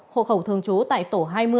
hộ khẩu thường chú tại tổ hai mươi